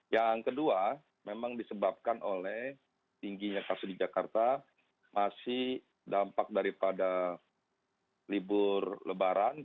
yang kedua memang disebabkan oleh tingginya kasus di jakarta masih dampak daripada libur lebaran